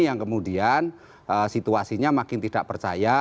yang kemudian situasinya makin tidak percaya